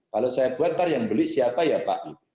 kalau saya buat nanti yang beli siapa ya pak